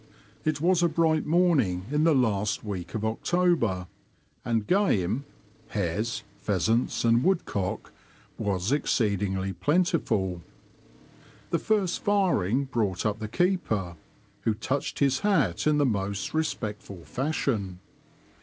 It was a bright morning in the last week of October, and game — hares, pheasants,, and woodcock — was exceedingly plentiful. The first firing brought up the keeper, who touched his hat in the most respectful fashion.